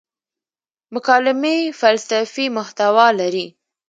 مکالمې فلسفي محتوا لري.